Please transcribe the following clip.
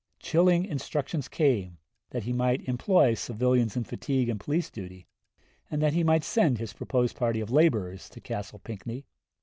Chilling instructions came that he might employ civilians in fatigue and police duty, and that he might send his proposed party of laborers to Castle Pinckney.